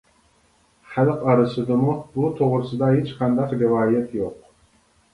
خەلق ئارىسىدىمۇ بۇ توغرىسىدا ھېچقانداق رىۋايەت يوق.